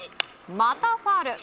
またファウル。